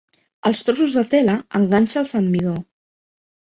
Els trossos de tela, enganxa'ls amb midó.